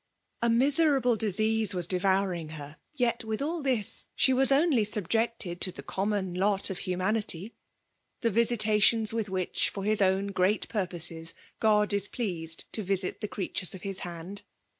A miserably disease was devouring Jiier! — Yet, with all this, she was only sub jected to th^ common lot of humanity — ^the .visitations with which, for his own great put poses, God is pleased to visit the creatures of liis hand.